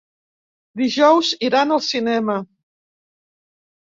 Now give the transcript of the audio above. Dijous iran al cinema.